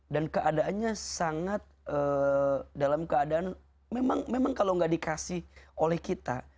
dan keadaannya sangat dalam keadaan memang kalau tidak dikasih oleh kita